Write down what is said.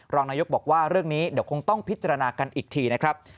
รองนายกบอกว่าเรื่องนี้เดี๋ยวคงต้องพิจารณากันอีกทีนะครับ